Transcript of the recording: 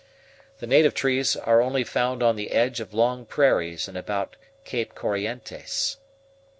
The native trees are only found on the edge of long prairies and about Cape Corrientes.